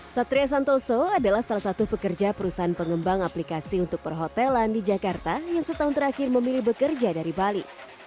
satria santoso adalah salah satu pekerja perusahaan pengembang aplikasi untuk perhotelan di jakarta yang setahun terakhir memilih bekerja dari bali